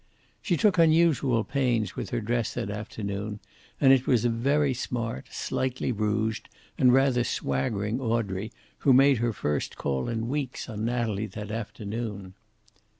She took unusual pains with her dress that afternoon, and it was a very smart, slightly rouged and rather swaggering Audrey who made her first call in weeks on Natalie that afternoon.